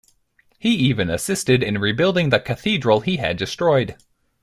He even assisted in rebuilding the cathedral he had destroyed.